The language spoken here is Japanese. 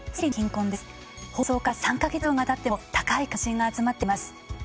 放送から３か月以上がたっても高い関心が集まっています。